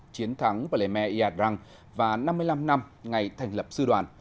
chiến thắng palerme yadrang và năm mươi năm năm ngày thành lập sư đoàn